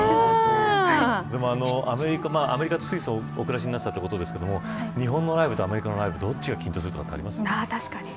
アメリカとスイスでお暮らしになっていたということですが日本のライブとアメリカのライブどっちが緊張するかってありますか。